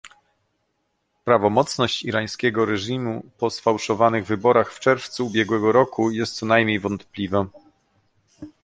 Prawomocność irańskiego reżimu po sfałszowanych wyborach w czerwcu ubiegłego roku jest co najmniej wątpliwa